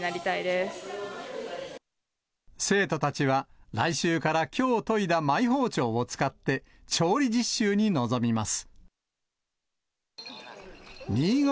生徒たちは来週から、きょう研いだマイ包丁を使って、調理実習に臨みます。